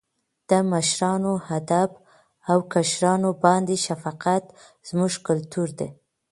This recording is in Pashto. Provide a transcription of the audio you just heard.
د مشرانو ادب او کشرانو باندې شفقت زموږ کلتور دی.